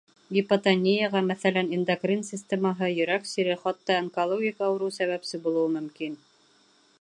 Гипотонияға, мәҫәлән, эндокрин системаһы, йөрәк сире, хатта онкологик ауырыу сәбәпсе булыуы мөмкин.